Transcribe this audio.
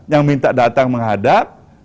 yang minta datang menghadap